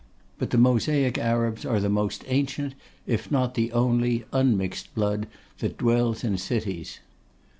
But the Mosaic Arabs are the most ancient, if not the only, unmixed blood that dwells in cities.